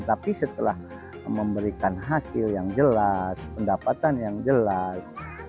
tapi setelah memberikan hasil yang jelas pendapatan yang jelas